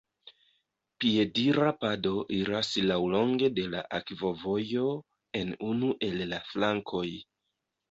Piedira pado iras laŭlonge de la akvovojo en unu el la flankoj.